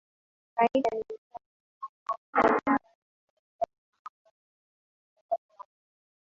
kawaida ni Mtani toka Ukoo mwingine ambae husaidiana na Wahunga kulitekeleza jambo la Ukoo